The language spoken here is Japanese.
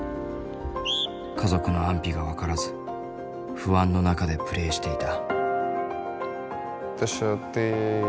家族の安否が分からず不安の中でプレーしていた。